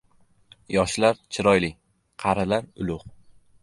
• Yoshlar ― chiroyli, qarilar ― ulug‘.